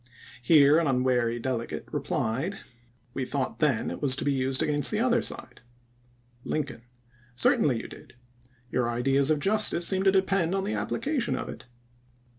Here an unwary delegate replied :" We thought then it was to be used against the other side." Lincoln: "Certainly you did. Your ideas of justice seem to depend on the application of it.